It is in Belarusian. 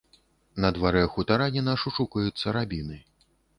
На дварэ хутараніна шушукаюцца рабіны.